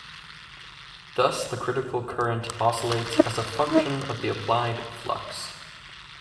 Thus the critical current oscillates as a function of the applied flux.